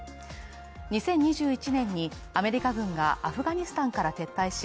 ２０２１年にアメリカ軍がアフガニスタンから撤退し、